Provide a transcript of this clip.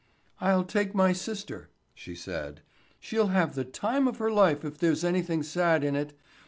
"I'll take my sister," she said. "She'll have the time of her life if there's anything sad in it.